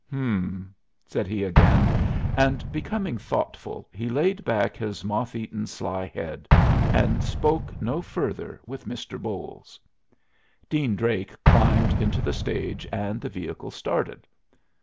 "H'm," said he again; and becoming thoughtful, he laid back his moth eaten sly head, and spoke no further with Mr. Bolles. Dean Drake climbed into the stage and the vehicle started.